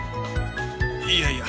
いやいや。